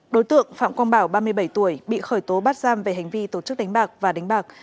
đối tượng phạm quang bảo ba mươi bảy tuổi bị khởi tố bắt giam về hành vi tổ chức đánh bạc và đánh bạc